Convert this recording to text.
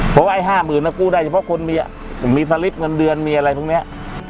เพราะว่าไอ้ห้ามืนก็กู้ได้เฉพาะคนมีอ่ะมีสลิปเงินเดือนมีอะไรพวกเนี้ย